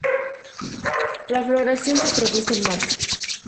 La floración se produce en marzo.